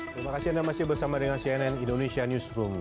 terima kasih anda masih bersama dengan cnn indonesia newsroom